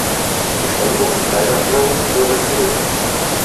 Die Schädigung ist leider irreversibel.